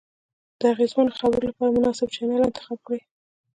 د اغیزمنو خبرو لپاره مناسب چینل انتخاب کړئ.